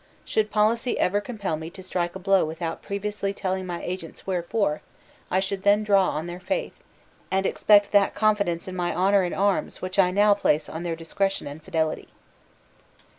Should policy ever compel me to strike a blow without previously telling my agents wherefore, I should then draw upon their faith, and expect that confidence in my honor and arms which I now place on their discretion and fidelity."